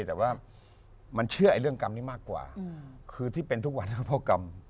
แต่ว่ามันเชื่อเรื่องกรรมนี้มากกว่าคือที่เป็นทุกวันนะครับเพราะกรรม